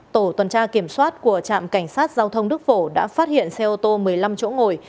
tổ tuần tra kiểm soát của trạm cảnh sát giao thông đức phổ đã phát hiện xe ô tô một mươi năm chỗ ngồi